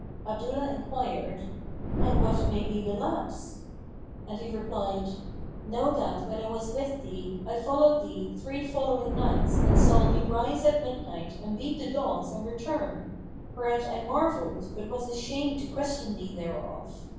Abdullah enquired, "And what may be the lapse?" and he replied, "Know that when I was with thee, I followed thee three following nights and saw thee rise at midnight and beat the dogs and return; whereat I marvelled, but was ashamed to question thee thereof.